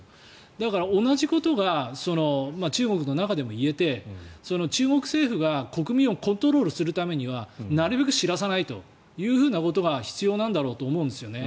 だから、同じことが中国の中でも言えて中国政府が国民をコントロールするためにはなるべく知らせないということが必要なんだと思うんですよね。